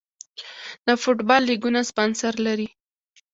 د فوټبال لیګونه سپانسر لري